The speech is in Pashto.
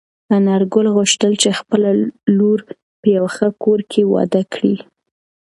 انارګل غوښتل چې خپله لور په یوه ښه کور کې واده کړي.